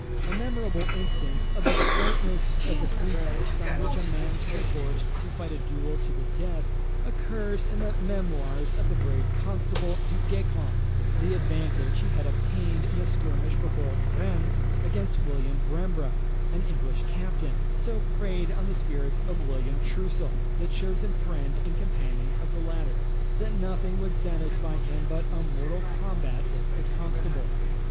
A memorable instance of the slightness of the pretext on which a man could be forced to fight a duel to the death, occurs in the Memoirs of the brave Constable, Du Guesclin. The advantage he had obtained, in a skirmish before Rennes, against William Brembre, an English captain, so preyed on the spirits of William Troussel, the chosen friend and companion of the latter, that nothing would satisfy him but a mortal combat with the Constable.